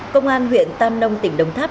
công an huyện tam nông tỉnh đồng tháp